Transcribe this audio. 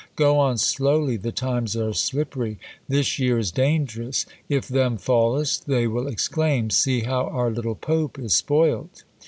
Go on slowly: the times are slippery: this year is dangerous: if them fallest, they will exclaim, See! how our little Pope is spoilt!"